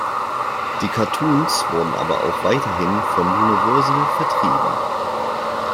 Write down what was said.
Die Cartoons wurden aber auch weiterhin von Universal vertrieben.